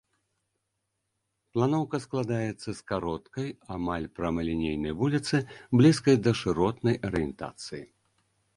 Планоўка складаецца з кароткай, амаль прамалінейнай вуліцы, блізкай да шыротнай арыентацыі.